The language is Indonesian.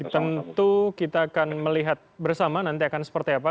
tentu kita akan melihat bersama nanti akan seperti apa